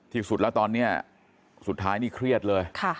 ที่สุดแล้วตอนนี้สุดท้ายนี่เครียดเลย